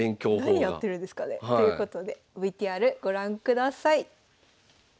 何やってるんですかね。ということでＶＴＲご覧ください。